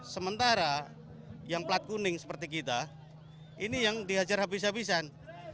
sementara yang plat kuning seperti kita ini yang diajar habis habisan